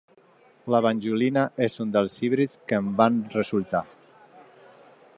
La banjolina és un dels híbrids que en van resultar.